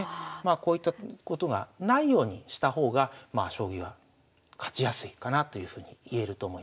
こういったことがないようにした方が将棋は勝ちやすいかなというふうにいえると思います。